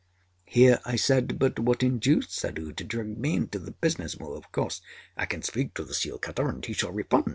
â Here I said: âBut what induced Suddhoo to drag me into the business? Of course I can speak to the seal cutter, and he shall refund.